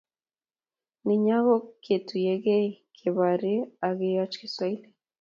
Nenyo ko ketuiyekei keborie ak koyoch kiswahili